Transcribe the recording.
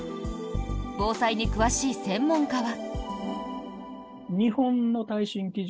防災に詳しい専門家は。